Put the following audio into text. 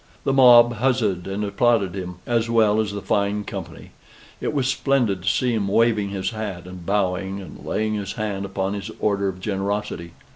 The mob huzza'd and applauded him, as well as the fine company: it was splendid to see him waving his hat, and bowing, and laying his hand upon his Order of Generosity.